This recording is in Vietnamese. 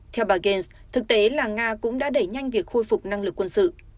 theo bà ganes thực tế là nga cũng đã đẩy nhanh việc khôi phục năng lực quân sự